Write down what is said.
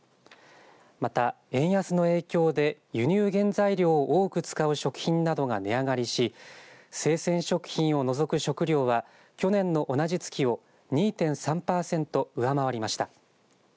また、円安の影響で輸入原材料を多く使う食品などが値上がりし生鮮食品を除く食料は去年の同じ月を２．３パーセント上回りました。